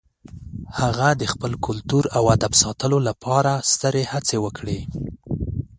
هغه د خپل کلتور او ادب ساتلو لپاره سترې هڅې وکړې.